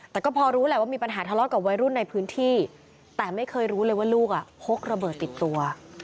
แต่ก็พอรู้แหละว่ามีปัญหาทะเลาะกับวัยรุ่นในพื้นที่แต่ไม่เคยรู้เลยว่าลูกพกระเบิดติดตัว